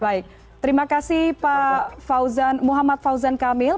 baik terima kasih pak muhammad fauzan kamil